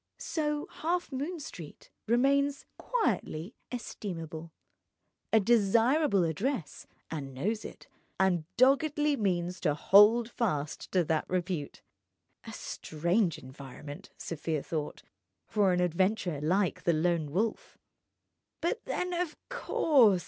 So Halfmoon Street remains quietly estimable, a desirable address, and knows it, and doggedly means to hold fast to that repute. A strange environment (Sofia thought) for an adventurer like the Lone Wolf. But then—of course!